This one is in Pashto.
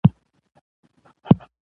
ناروغ د منظمې پاملرنې له امله ښه احساس کوي